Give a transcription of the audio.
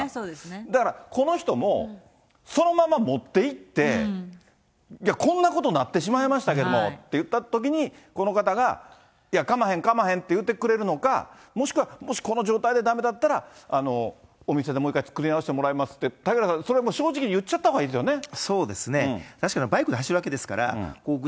だからこの人も、そのまま持っていって、こんなことになってしまいましたけどっていったときに、この方が、いや、かまへん、かまへんって言ってくれるのか、もしくは、もしこの状態でだめだったら、お店でもう一回作り直してもらいますって、嵩原さん、それ正直に言っちゃったほうがいいですよね。